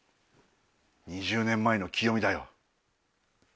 ２０年前のキヨミだよ。